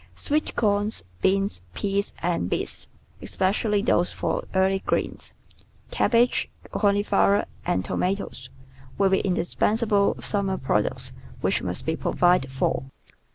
Sweet corn, beans, peas, and beets, especially those for early greens, cabbage, cauliflower, and toma toes, will be indispensable summer products which must be provided for.